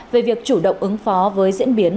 về việc chủ động ứng phó với diễn biến